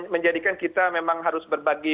menjadikan kita memang harus berbagi